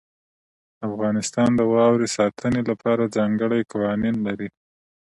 افغانستان د واورې د ساتنې لپاره ځانګړي قوانین لري.